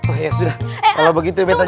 oh ya sudah kalo begitu ya beta jalan